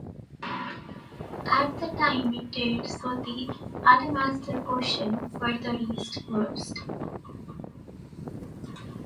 At the time it did so the Adamastor Ocean further east closed.